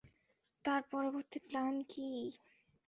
তার পরবর্তী প্ল্যান কী?